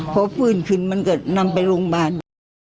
พอฟื้นขึ้นมันก็นำไปโรงพยาบาล